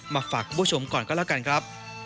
มาฝากคุณผู้ชมก่อนก็แล้วกันครับ